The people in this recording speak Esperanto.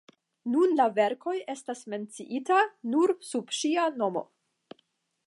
Nun la verkoj estas menciitaj nur sub ŝia nomo.